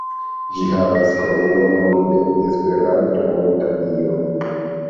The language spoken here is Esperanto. Ĝi havas kromnomon de Esperanto, "Monta Dio".